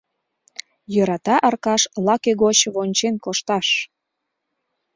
Йӧрата Аркаш лаке гоч вончен кошташ!